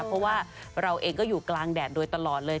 เพราะว่าเราเองก็อยู่กลางแดดโดยตลอดเลย